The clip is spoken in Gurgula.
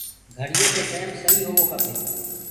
گھڙيو ڪو ٽيم سهي هوو کپي